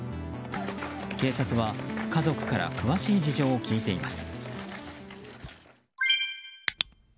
警察は、家族から詳しい事情を聴いています。